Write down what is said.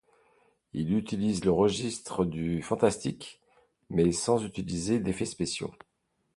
Il utilise le registre du fantastique mais sans utiliser d'effets spéciaux.